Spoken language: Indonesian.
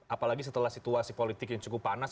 apalagi setelah situasi politik yang cukup panas